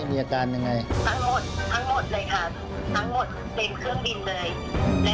ทั้งหมดทั้งหมดเลยค่ะทั้งหมดเต็มเครื่องบินเลย